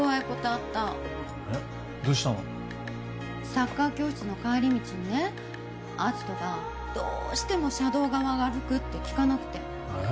サッカー教室の帰り道にね篤斗がどうしても車道側歩くって聞かなくてえぇ？